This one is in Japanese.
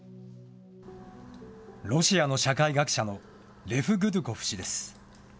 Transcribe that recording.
ロシアの社会学者のレフ・グドゥコフ氏です。